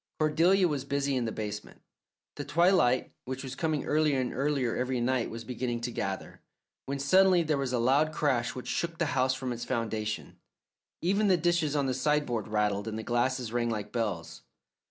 Cordelia was busy in the basement; the twilight, which was coming earlier and earlier every night, was beginning to gather, when suddenly there was a loud crash which shook the house from its foundations. Even the dishes on the sideboard rattled, and the glasses rang like bells.